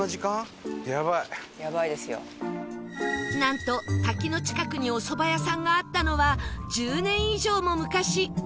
なんと滝の近くにお蕎麦屋さんがあったのは１０年以上も昔